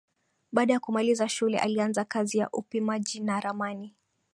Baada ya kumaliza shule alianza kazi ya upimaji na ramani